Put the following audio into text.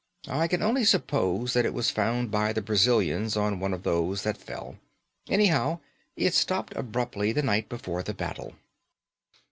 I can only suppose that it was found by the Brazilians on one of those that fell. Anyhow, it stopped abruptly the night before the battle.